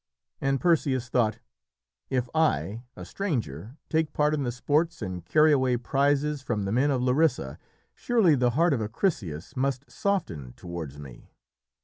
And Perseus thought, "If I, a stranger, take part in the sports and carry away prizes from the men of Larissa, surely the heart of Acrisius must soften towards me."